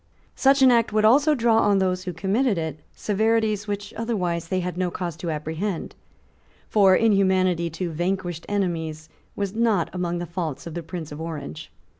Such an act would also draw on those who committed it severities which otherwise they had no cause to apprehend: for inhumanity to vanquished enemies was not among the faults of the Prince of Orange.